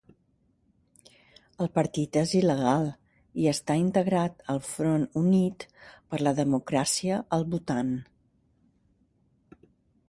El partit és il·legal i està integrat al Front Unit per la Democràcia al Bhutan.